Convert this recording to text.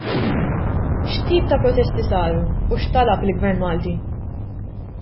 X'tip ta' protesti saru u x'talab il-Gvern Malti?